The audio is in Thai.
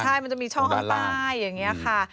ใช่มันจะมีช่องข้างใต้อย่างนี้ค่ะ